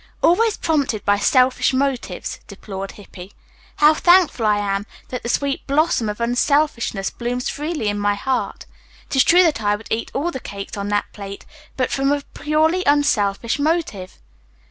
"Always prompted by selfish motives," deplored Hippy. "How thankful I am that the sweet blossom of unselfishness blooms freely in my heart. It is true that I would eat all the cakes on that plate, but from a purely unselfish motive."